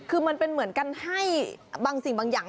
คือมันเป็นเหมือนกันให้บางสิ่งบางอย่าง